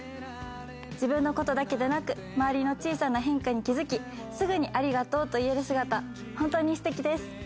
自分のことだけでなく、周りの小さな変化に気付き、すぐにありがとうと言える姿、本当にすてきです。